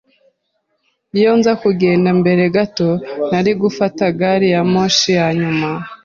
Iyo nza kugenda mbere gato, nari gufata gari ya moshi ya nyuma.